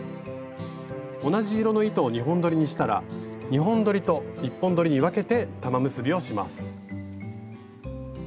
同じ色の糸を２本どりにしたら２本どりと１本どりに分けて玉結びをします。